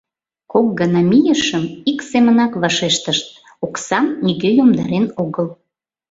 Кок гана мийышым — ик семынак вашештышт: оксам нигӧ йомдарен огыл...